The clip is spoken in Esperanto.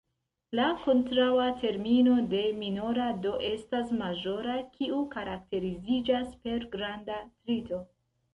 La kontraŭa termino de "minora" do estas "maĵora", kiu karakteriziĝas per granda trito.